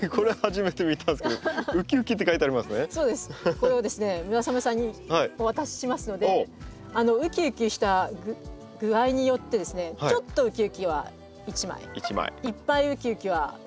これをですね村雨さんにお渡ししますのでウキウキした具合によって「ちょっとウキウキ」は１枚「いっぱいウキウキ」は３枚。